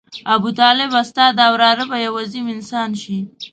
ابوطالبه ستا دا وراره به یو عظیم انسان شي.